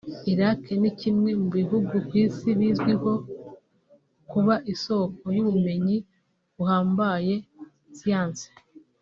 Iraq ni kimwe mu bihugu ku isi bizwiho kuba isoko y’ubumenyi buhambaye (science)